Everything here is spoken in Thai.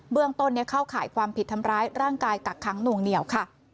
เรื่องต้นเข้าข่ายความผิดทำร้ายร่างกายกักค้างหน่วงเหนียวค่ะ